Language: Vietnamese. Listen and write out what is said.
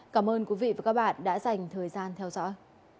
cảm ơn quý vị và các bạn đã dành thời gian theo dõi